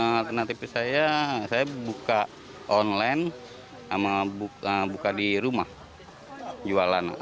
alternatif saya saya buka online sama buka di rumah jualan